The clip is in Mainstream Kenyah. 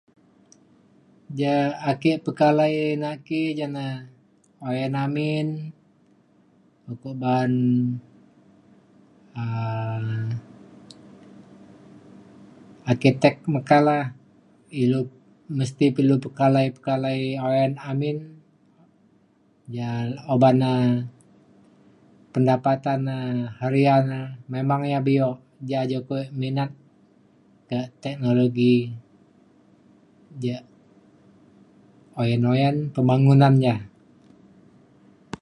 ja ake pekalai na ki ja na oyan amin uko baan um arkitek mekala ilu mesti pa ilu pekalai pekalai oyan amin ja oban e pendapatan e harian e memang ia' bio ja ju kok ek minat ka teknologi ja oyan oyan pembangunan ja